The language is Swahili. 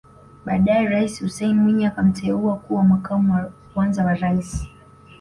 Baadae Rais Hussein Mwinyi akamteua kuwa makamu wa kwanza wa Rais